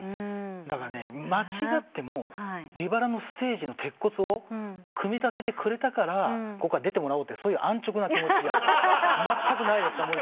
だから間違ってもビバラのステージの鉄骨を組み立ててくれたから今回出てもらおうってそういう安直な気持ちじゃまったくないですから。